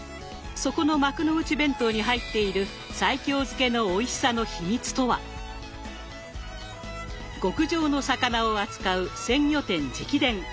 そこの幕の内弁当に入っている西京漬けのおいしさの秘密とは⁉極上の魚を扱う鮮魚店直伝！